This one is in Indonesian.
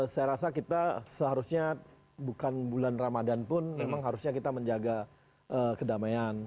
saya rasa kita seharusnya bukan bulan ramadan pun memang harusnya kita menjaga kedamaian